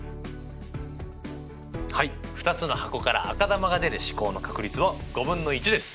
はい２つの箱から赤球が出る試行の確率は５分の１です。